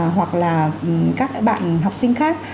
hoặc là các bạn học sinh khác